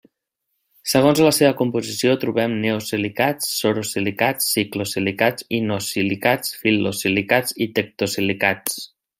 Segons la seva composició trobem nesosilicats, sorosilicats, ciclosilicats, inosilicats, fil·losilicats i tectosilicats.